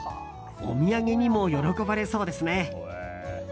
お土産にも喜ばれそうですね。